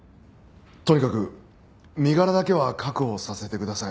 とにかく身柄だけは確保させてください。